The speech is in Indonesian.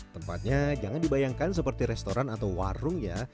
tempatnya jangan dibayangkan seperti restoran atau warung ya